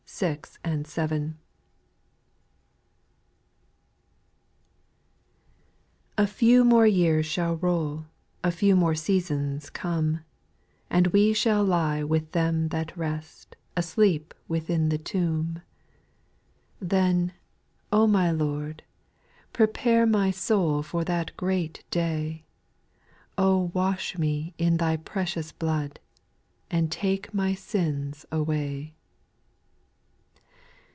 \J A FEW more years shall roll, j\ A few more seasons come ; And we shall lie with them that rest, Asleep within the tomb. SPIRITUAL SONOS. 133 Then, O my Lord, prepare My soul for that great day ; O wash me in Thy precious blood, And take my sins away.